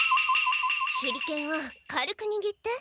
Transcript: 手裏剣は軽くにぎって。